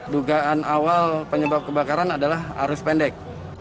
dugaan awal penyebab kebakaran adalah arus pendek